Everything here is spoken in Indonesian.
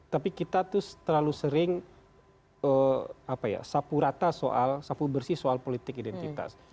tapi kita tuh terlalu sering sapu rata soal sapu bersih soal politik identitas